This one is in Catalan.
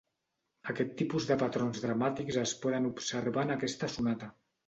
Aquest tipus de patrons dramàtics es poden observar en aquesta sonata.